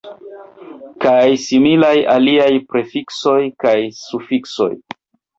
Kaj similaj aliaj prefiksoj kaj sufiksoj.